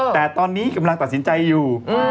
แต่ตอนนี้กำลังตัดสินใจอยู่